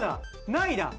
ないだ！